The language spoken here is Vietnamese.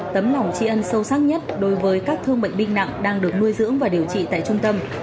tấm lòng tri ân sâu sắc nhất đối với các thương bệnh binh nặng đang được nuôi dưỡng và điều trị tại trung tâm